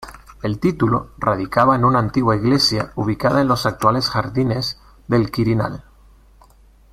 El título radicaba en una antigua iglesia ubicada en los actuales jardines del Quirinal.